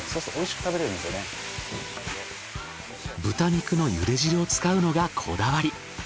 豚肉の茹で汁を使うのがこだわり。